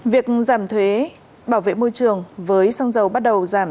việc giảm thuế bảo vệ môi trường với xăng dầu bắt đầu giảm